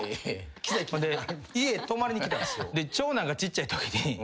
ほんで家泊まりに来たんすよ。